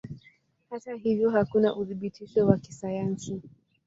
Hata hivyo hakuna uthibitisho wa kisayansi.